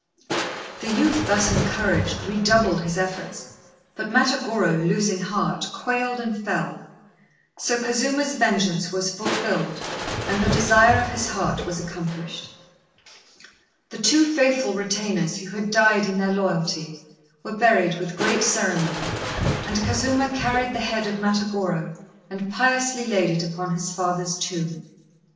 The youth, thus encouraged, redoubled his efforts; but Matagorô, losing heart, quailed and fell. So Kazuma's vengeance was fulfilled, and the desire of his heart was accomplished. The two faithful retainers, who had died in their loyalty, were buried with great ceremony, and Kazuma carried the head of Matagorô and piously laid it upon his father's tomb.